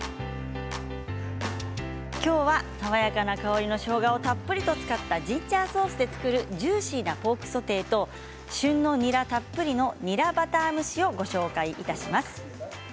きょうは爽やかな香りのしょうがをたっぷりと使ったジンジャーソースで作るジューシーなポークソテーと旬のにらたっぷりのにらバター蒸しをご紹介します。